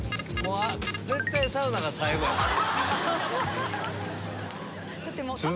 絶対サウナが最後やと思う。